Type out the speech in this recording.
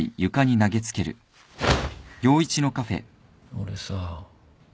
俺さ。